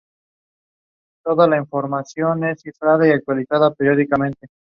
Estaba considerado un partido de centroderecha.